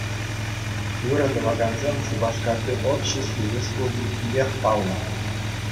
Ырӑ тӑвакансен Шупашкарти обществи республикипех паллӑ.